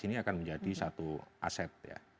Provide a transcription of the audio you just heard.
ini akan menjadi satu aset ya